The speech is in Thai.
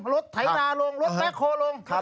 รถไถราลงรถแม็กโคลง